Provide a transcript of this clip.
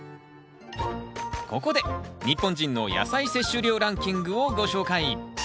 ここで日本人の野菜摂取量ランキングをご紹介。